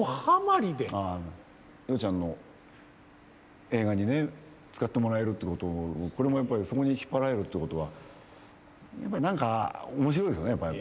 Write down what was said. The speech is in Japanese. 洋ちゃんの映画にね使ってもらえるってことこれもやっぱりそこに引っ張られるってことは何か面白いですねやっぱり。